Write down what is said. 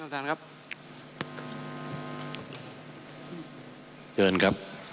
ท่านประทานครับ